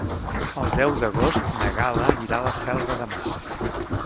El deu d'agost na Gal·la anirà a la Selva de Mar.